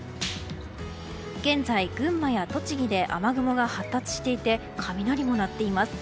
現在、群馬や栃木で雨雲が発達していて雷も鳴っています。